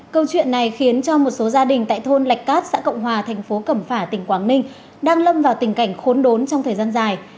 câu chuyện này khiến cho một số gia đình tại thôn lạch cát xã cộng hòa thành phố cẩm phả tỉnh quảng ninh đang lâm vào tình cảnh khốn đốn trong thời gian dài